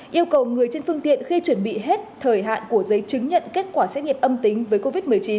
yêu cầu người trên phương tiện khi chuẩn bị hết thời hạn của giấy chứng nhận kết quả xét nghiệm âm tính với covid một mươi chín